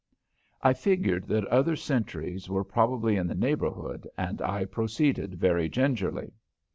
I figured that other sentries were probably in the neighborhood and I proceeded very gingerly.